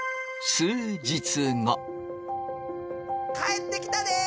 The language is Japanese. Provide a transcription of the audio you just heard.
帰ってきたで！